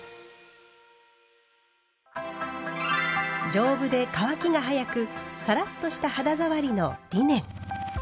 丈夫で乾きが早くサラッとした肌触りのリネン。